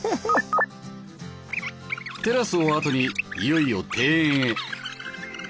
テラスを後にいよいよ庭園へ。